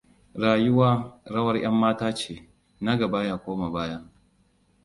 Rayuwa rawar 'yan mata ce na gaba ya koma baya.